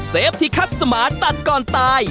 ฟที่คัดสมาตัดก่อนตาย